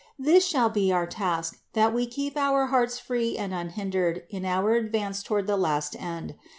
This shall be our task, that we keep our hearts free and unhindered in our advance toward the last end.